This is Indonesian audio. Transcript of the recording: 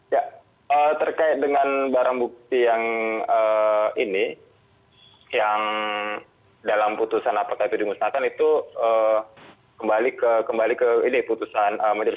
ya terkait dengan barang bukti yang ini yang dalam putusan apakah itu dimusnahkan itu kembali ke ini putusan majelis